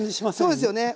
そうですよね。